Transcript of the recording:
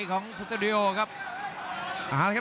กรรมการเตือนทั้งคู่ครับ๖๖กิโลกรัม